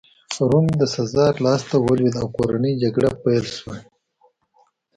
روم د سزار لاسته ولوېد او کورنۍ جګړه پیل شوه